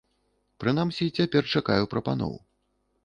Прынамсі, цяпер чакаю прапаноў.